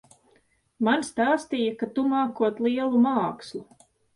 Man stāstīja, ka tu mākot lielu mākslu.